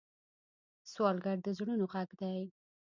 سوالګر د زړونو غږ دی